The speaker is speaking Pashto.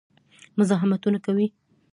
مزاحمتونه کوي.